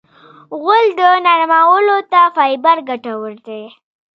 غول نرمولو ته فایبر ګټور دی.